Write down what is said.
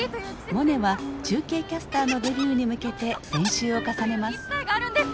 モネは中継キャスターのデビューに向けて練習を重ねます。